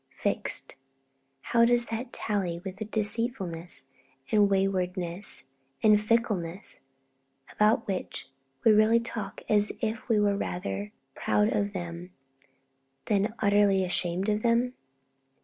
'Fixed.' How does that tally with the deceitfulness and waywardness and fickleness about which we really talk as if we were rather proud of them than utterly ashamed of them?